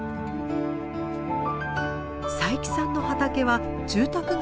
佐伯さんの畑は住宅街の裏手。